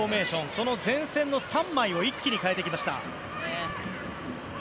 その前線の３枚を一気に代えてきました。